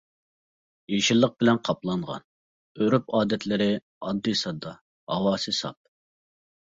يېشىللىق بىلەن قاپلانغان، ئۆرپ-ئادەتلىرى ئاددىي-ساددا، ھاۋاسى ساپ.